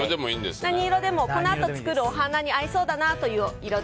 何色でもこのあと作るお花に合いそうだなという色で。